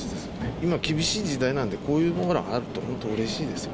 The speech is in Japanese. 今厳しい時代なんで、こういうのがあると本当うれしいですよね。